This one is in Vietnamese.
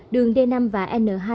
đường d năm và n hai